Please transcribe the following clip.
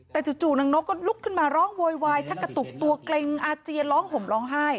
แต่จู่นางนกก็ลุกขึ้นมาร้องโวยวายชักกระตุกตัวเกร็งอาเจียนร้องห่มร้องไห้